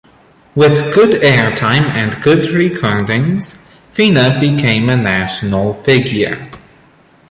With good air time and good recordings, Fina became a national figure.